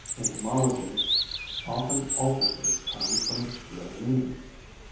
Entomology often alters this term from its real meaning.